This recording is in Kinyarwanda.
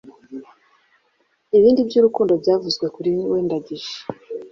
Ibindi Byurukundo byavuzwe kuri weNdangije.